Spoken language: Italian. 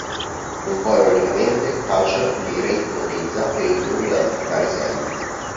Un po' ironicamente, Culture li re-ipnotizza per indurli ad attaccare Sam.